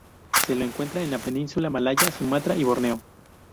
Se lo encuentra en la península malaya, Sumatra y Borneo.